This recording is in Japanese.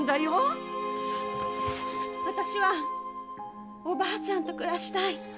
あたしはおばあちゃんと暮らしたい。